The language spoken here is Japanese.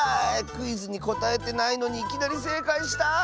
クイズにこたえてないのにいきなりせいかいした。